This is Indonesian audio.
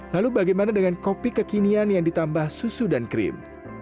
lalu bagaimana dengan kopi kekinian yang ditambah susu dan krim